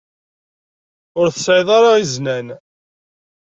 Ur tesɛiḍ ara iznan.